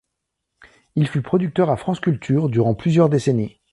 Il fut producteur à France Culture durant plusieurs décennies.